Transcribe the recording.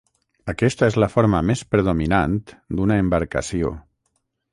Aquesta és la forma més predominant d'una embarcació.